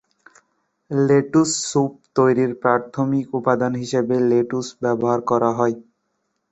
Lettuce soup তৈরির প্রাথমিক উপাদান হিসেবেও লেটুস ব্যবহার করা হয়।